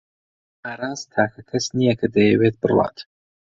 ئاراس تاکە کەس نییە کە دەیەوێت بڕوات.